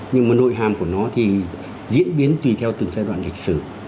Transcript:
nhưng mà nội hàm của nó thì diễn biến tùy theo từng giai đoạn lịch sử